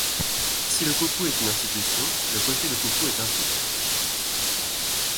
Si le coucou est une institution, le cocher de coucou est un type.